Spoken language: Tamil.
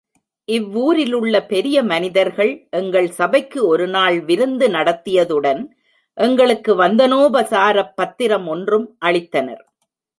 இவ்வூரிலுள்ள பெரிய மனிதர்கள், எங்கள் சபைக்கு ஒரு நாள் விருந்து நடத்தியதுடன் எங்களுக்கு வந்தனோபசாரப் பத்திரம் ஒன்றும் அளித்தனர்.